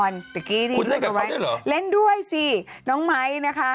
เรนด้วยสิน้องม้ายนะคะ